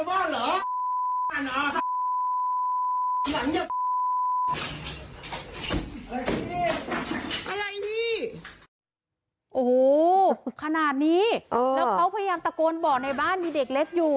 โอ้โหขนาดนี้แล้วเขาพยายามตะโกนบอกในบ้านมีเด็กเล็กอยู่